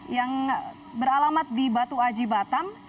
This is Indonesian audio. yang beralamat di batu aji batam